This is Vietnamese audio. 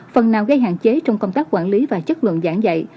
phần nào gây hạn chế trong công tác quản lý và chất lượng giảng dạy